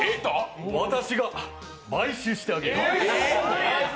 私が買収してあげよう。